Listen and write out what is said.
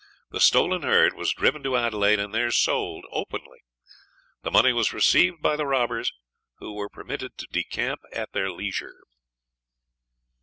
The stolen herd was driven to Adelaide, and there sold openly. The money was received by the robbers, who were permitted to decamp at their leisure.